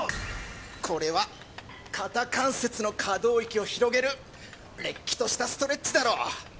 これは肩関節の可動域を広げるれっきとしたストレッチだろ。